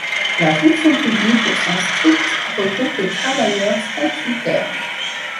La fonction publique au sens strict regroupe les travailleurs statutaires.